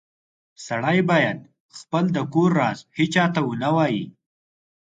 سړی باید خپل د کور راز هیچاته و نه وایې